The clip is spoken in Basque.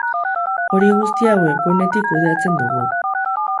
Hori guztia webgunetik kudeatzen dugu.